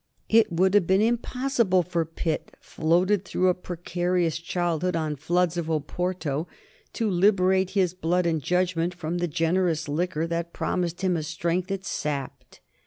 It would have been impossible for Pitt, floated through a precarious childhood on floods of Oporto, to liberate his blood and judgment from the generous liquor that promised him a strength it sapped.